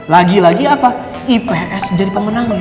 lagi lagi apa ips jadi pemenang